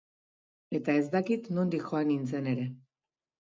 Eta ez dakit nondik joan nintzen ere.